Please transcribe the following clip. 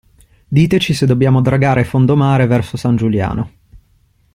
Diteci se dobbiamo dragare fondo mare verso San Giuliano.